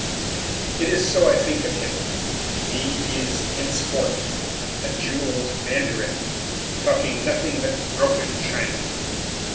It is so I think of him; to me he is henceforth a jewelled mandarin, talking nothing but broken China.